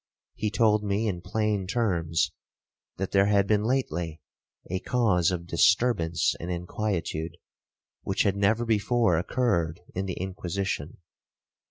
He told me in plain terms, that there had been lately a cause of disturbance and inquietude, which had never before occurred in the Inquisition.